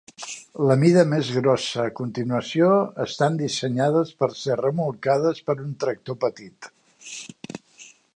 La mida més grossa a continuació estan dissenyades per ser remolcades per un tractor petit.